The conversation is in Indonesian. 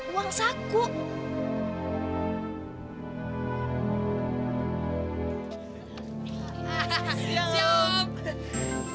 uang sabuk dari uang nani ama nztp martha